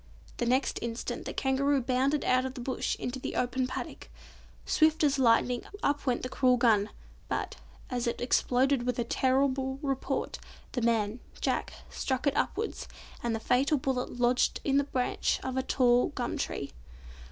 The next instant the Kangaroo bounded out of the Bush into the open paddock. Swift as lightning up went the cruel gun, but, as it exploded with a terrible report, the man, Jack, struck it upwards, and the fatal bullet lodged in the branch of a tall gum tree.